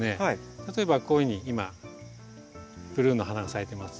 例えばこういうふうに今ブルーの花が咲いてます。